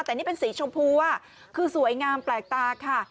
แต่นี่เป็นสีชมพูคือสวยงามแปลกตาค่ะ